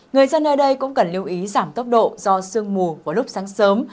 người dân nơi đây cũng cần lưu ý giảm tốc độ do sương mù vào lúc sáng sớm